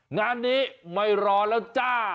งานนี้ไม่รอแล้วจ้า